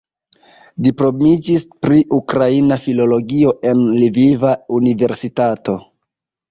Diplomiĝis pri ukraina filologio en Lviva Universitato.